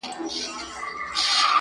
په الاهو راغلی خوبه خو چي نه تېرېدای -